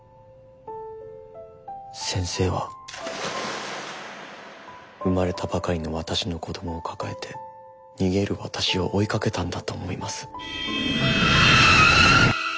先生は生まれたばかりの私の子どもを抱えて逃げる私を追いかけたんだと思います。